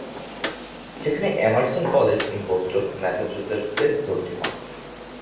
সেখানে Emerson College in Boston, Massachusetts এ ভর্তি হোন।